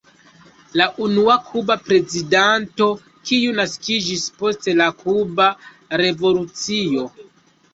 La unua kuba prezidanto kiu naskiĝis post la kuba revolucio.